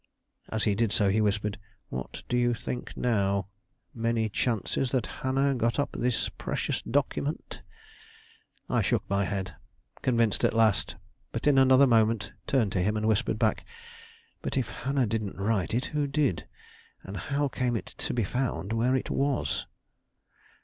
As he did so, he whispered: "What do you think now? Many chances that Hannah got up this precious document?" I shook my head, convinced at last; but in another moment turned to him and whispered back: "But, if Hannah didn't write it, who did? And how came it to be found where it was?"